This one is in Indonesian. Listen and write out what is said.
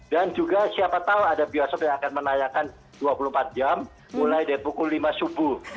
dan juga siapa tahu ada bioskop yang akan menayangkan dua puluh empat jam mulai dari pukul lima subuh